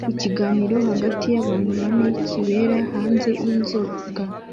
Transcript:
Ikiganiro hagati yabantu bane kibera hanze yinzoga